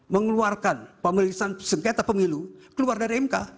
mengeluarkan pemeliharaan sengketa pemilu keluar dari imk